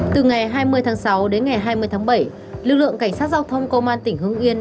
từ ngày hai mươi tháng sáu đến ngày hai mươi tháng bảy lực lượng cảnh sát giao thông công an tỉnh hưng yên